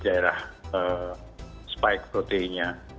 di daerah spike protein nya